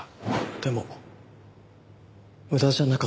でも無駄じゃなかったかも。